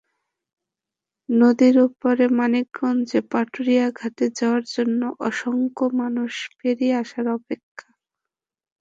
নদীর ওপারে মানিকগঞ্জের পাটুরিয়া ঘাটে যাওয়ার জন্য অসংখ্য মানুষ ফেরি আসার অপেক্ষায়।